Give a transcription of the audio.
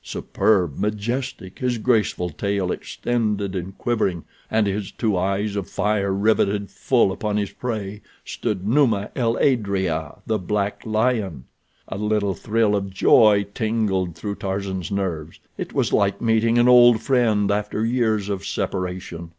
Superb, majestic, his graceful tail extended and quivering, and his two eyes of fire riveted full upon his prey, stood Numa el adrea, the black lion. A little thrill of joy tingled through Tarzan's nerves. It was like meeting an old friend after years of separation.